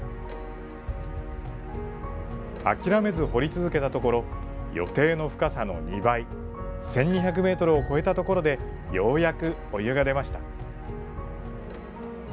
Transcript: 諦めず掘り続けたところ予定の深さの２倍１２００ｍを超えたところでようやくお湯が出ました。